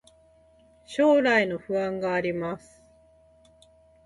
将来の不安があります